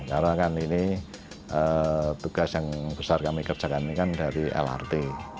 karena kan ini tugas yang besar kami kerjakan ini kan dari lrt